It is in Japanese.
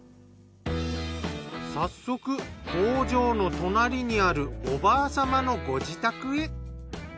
早速工場の隣にあるおばあ様のご自宅へ。